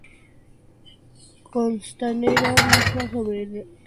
Costanera misma, sobre la calle Gral.